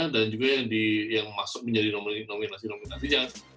dan juga yang masuk menjadi nominasi nominasi